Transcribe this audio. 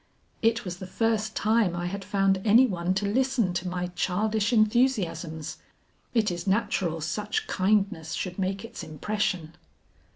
"It was the first time I had found any one to listen to my childish enthusiasms; it is natural such kindness should make its impression."